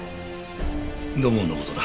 土門の事だ